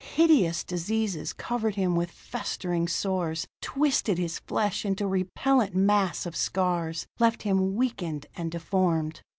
Hideous diseases covered him with festering sores; twisted his flesh into a repellent mass of scars; left him weakened and deformed.